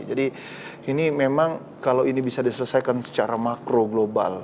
jadi ini memang kalau ini bisa diselesaikan secara makro global